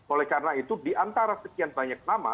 oleh karena itu diantara sekian banyak nama